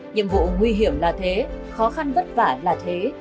nhiệm vụ nguy hiểm là thế khó khăn vất vả là thế